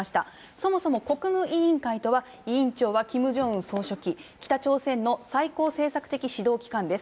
そもそも国務委員会とは、委員長はキム・ジョンウン総書記、北朝鮮の最高政策的指導機関です。